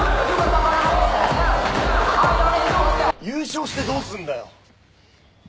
優勝してどうすんだよ！